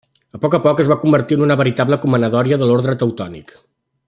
A poc a poc es va convertir en una veritable comanadoria de l'Orde Teutònic.